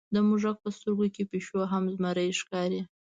د موږک په سترګو کې پیشو هم زمری ښکاري.